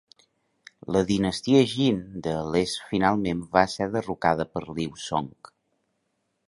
La dinastia Jin de l'est finalment va ser derrocada per Liu Song.